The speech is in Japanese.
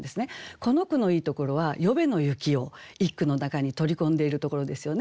この句のいいところは「昨夜の雪」を一句の中に取り込んでいるところですよね。